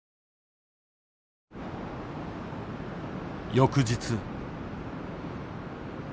翌日。